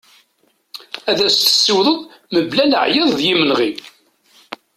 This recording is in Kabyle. Ad as-tessiwḍeḍ mebla leɛyaḍ d yimenɣi.